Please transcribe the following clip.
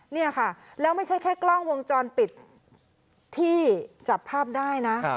นี่ค่ะแล้วไม่ใช่แค่กล้องวงจรปิดที่จับภาพได้นะ